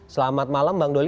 selamat malam bang doli